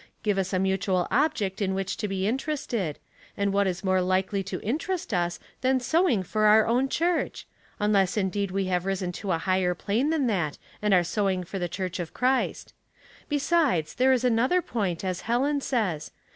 Give us a mutual object in which to be interested ; and what is more likely to interest us than sewing for our own church? — unless indeed we have risen to a higher plane than that, and are sewing for the Church of Christ. Be sides, there is another, point, as Helen says.